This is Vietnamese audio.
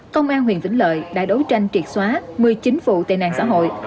công an huyện vĩnh lợi đã đấu tranh triệt xóa một mươi chín vụ tên nạn xã hội